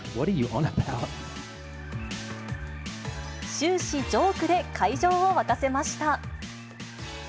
終始、ジョークで会場を沸かせました。